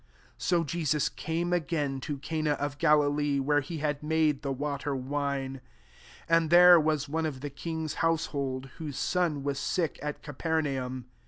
46 So J€9U8 came again to Cana of Galilee, where he had made the water wine. And there was one of the king^s house hold, whose son was sick, at Capernaum.